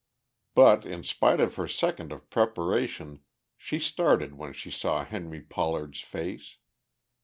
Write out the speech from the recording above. But in spite of her second of preparation she started when she saw Henry Pollard's face.